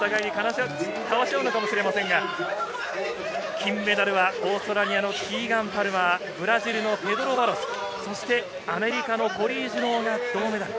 金メダルはオーストラリアのキーガン・パルマー、ブラジルのペドロ・バロス、そしてアメリカのコリー・ジュノーが銅メダル。